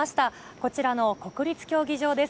こちらの国立競技場です。